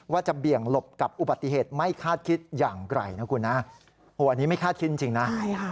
ว่าจะเบี่ยงหลบกับอุบัติเหตุไม่คาดคิดอย่างไกลนะครับคุณฮะ